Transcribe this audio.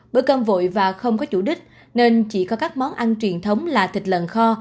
bữa cơm vội và không có chủ đích nên chỉ có các món ăn truyền thống là thịt lợn kho